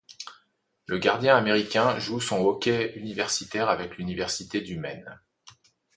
Le gardien américain joue son hockey universitaire avec l'Université du Maine.